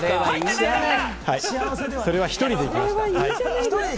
それは１人で行きました。